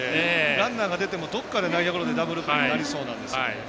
ランナーが出てもどこかで内野ゴロでダブルプレーになりそうなんです。